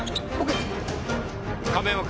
亀山君！